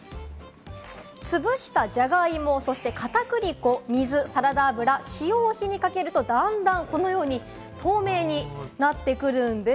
つぶしたジャガイモ、そして片栗粉、水、サラダ油、塩を火にかけると段々このように透明になってくるんです。